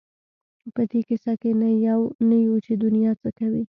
په دې کيسه کې نه یو چې دنیا څه کوي.